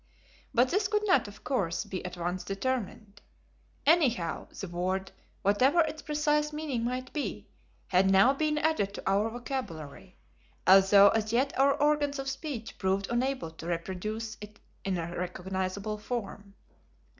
But this could not, of course, be at once determined. Anyhow, the word, whatever its precise meaning might be, had now been added to our vocabulary, although as yet our organs of speech proved unable to reproduce it in a recognizable form.